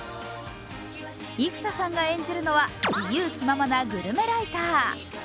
生田さんが演じるのは自由気ままなグルメライター。